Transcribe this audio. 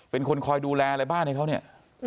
เป็นคนคอยดูแลอะไรบ้านให้เขาเนี่ย